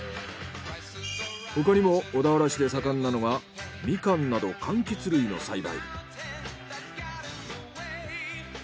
他にも小田原市で盛んなのがミカンなど柑橘類の栽培。